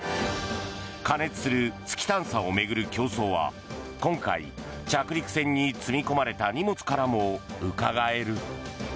過熱する月探査を巡る競争は今回、着陸船に積み込まれた荷物からもうかがえる。